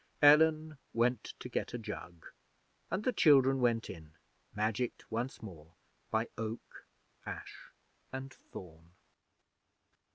Ellen went to get a jug, and the children went in magicked once more by Oak, Ash, and Thorn!